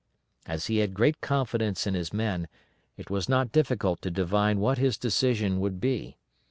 As he had great confidence in his men, it was not difficult to divine what his decision would be.